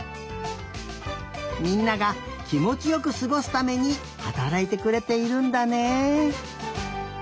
みんながきもちよくすごすためにはたらいてくれているんだね。